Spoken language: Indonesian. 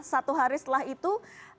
satu hari setelah itu